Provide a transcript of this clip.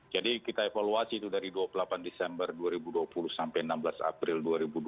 jadi kita evaluasi itu dari dua puluh delapan desember dua ribu dua puluh sampai enam belas april dua ribu dua puluh satu